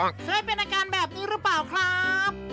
เคยเป็นอาการแบบนี้หรือเปล่าครับ